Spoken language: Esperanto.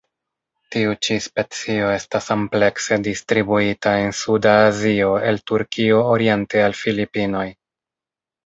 Tiu ĉi specio estas amplekse distribuita en suda Azio el Turkio oriente al Filipinoj.